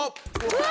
うわ！